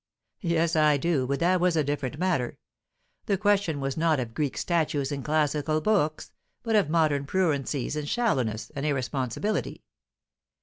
"Yes, I do. But that was a different matter. The question was not of Greek statues and classical books, but of modern pruriencies and shallowness and irresponsibility."